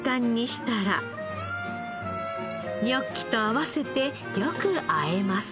ニョッキと合わせてよくあえます。